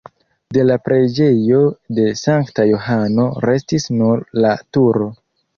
De la preĝejo de Sankta Johano restis nur la turo.